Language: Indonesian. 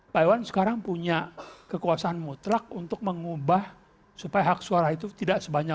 pak iwan sekarang punya kekuasaan mutlak untuk mengubah supaya hak suara itu tidak sebanyak